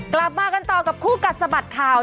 คู่กัดสะบัดข่าว